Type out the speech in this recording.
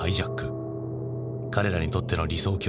彼らにとっての理想郷